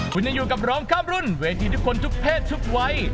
คุณยังอยู่กับร้องข้ามรุ่นเวทีทุกคนทุกเพศทุกวัย